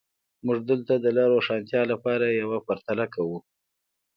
موږ دلته د لا روښانتیا لپاره یوه پرتله کوو.